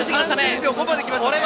３０秒５まできましたね。